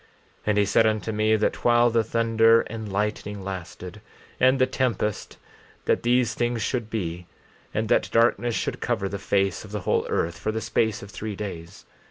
14:27 And he said unto me that while the thunder and the lightning lasted, and the tempest, that these things should be, and that darkness should cover the face of the whole earth for the space of three days.